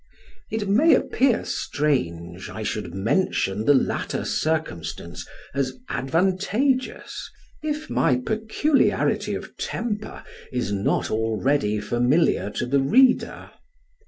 It may appear strange, I should mention the latter circumstance as advantageous, if my peculiarity of temper is not already familiar to the reader.